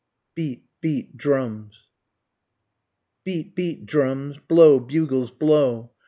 BEAT! BEAT! DRUMS! Beat! beat! drums! blow! bugles! blow!